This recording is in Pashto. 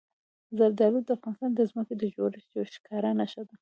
زردالو د افغانستان د ځمکې د جوړښت یوه ښکاره نښه ده.